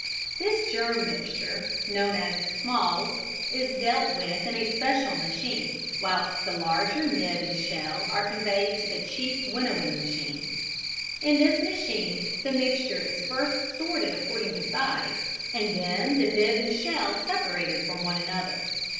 This germ mixture, known as "smalls" is dealt with in a special machine, whilst the larger nib and shell are conveyed to the chief winnowing machine. In this machine the mixture is first sorted according to size and then the nib and shell separated from one another.